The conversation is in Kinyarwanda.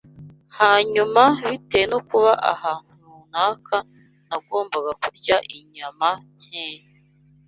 Hanyuma bitewe no kuba ahantu runaka nagombaga kurya inyama nkeya